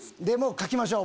書きましょう！